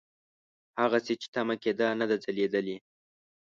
هغسې چې تمه کېده نه ده ځلېدلې.